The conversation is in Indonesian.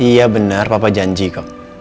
iya benar papa janji kok